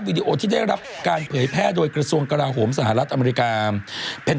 แบบกายมองไม่เห็น